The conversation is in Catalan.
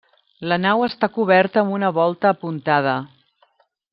La nau està coberta amb una volta apuntada.